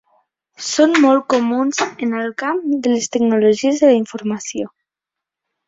Són molt comuns en el camp de les tecnologies de la informació.